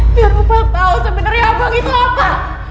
biar papa tau sebenernya abang itu apa